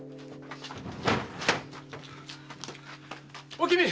おきみ！